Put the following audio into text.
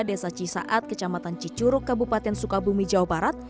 desa cisaat kecamatan cicuruk kabupaten sukabumi jawa barat